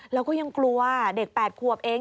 แล้วก็ยังกลัวเด็ก๘ขวบเอง